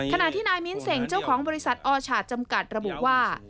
ขณะที่นายมิ้นเสงเจ้าของบริษัทออฉาดจำกัดระบุว่า